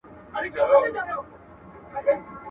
په تېرو غاښو مي دام بيرته شلولى.